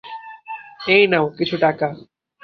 এই নাও কিছু টাকা।